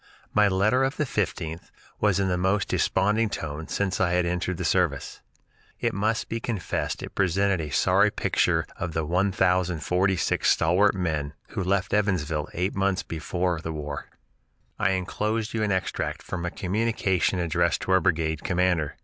My letter of the 15th was in the most desponding tone since I had entered the service. It must be confessed it presented a sorry picture of the 1046 stalwart men who left Evansville eight months before for the war: "I enclose you an extract from a communication addressed to our brigade commander.